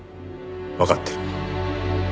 わかってる。